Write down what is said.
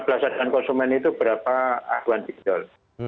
lima belas aduan konsumen itu berapa aduan pinjol